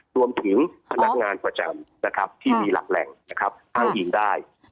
รวมถึงพนักงานประจำที่มีหลักแรงทั้งอีกได้